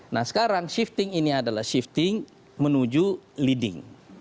nah sekarang shifting ini adalah shifting menuju leading